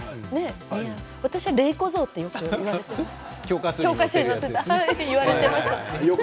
私は「麗子像」と言われていました。